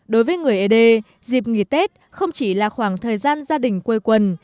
đối với người ế đê dịp nghỉ tết không chỉ là khoảng thời gian gia đình quây quần